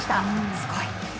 すごい。